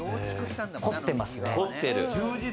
こってますね。